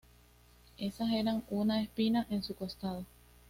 Esas eran una espina en su costado.